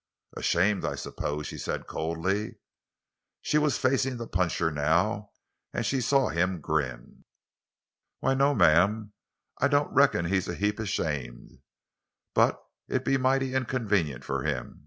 "Ashamed, I suppose," she said coldly. She was facing the puncher now, and she saw him grin. "Why, no, ma'am; I don't reckon he's a heap ashamed. But it'd be mighty inconvenient for him.